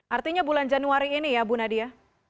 artinya bulan januari ini ya bu nadia